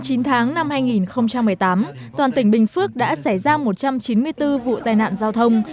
trong chín tháng năm hai nghìn một mươi tám toàn tỉnh bình phước đã xảy ra một trăm chín mươi bốn vụ tai nạn giao thông